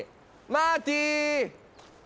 マーティ！